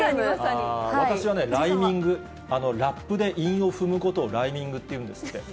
私はね、ライミング、ラップで韻を踏むことをライミングっていうんですって。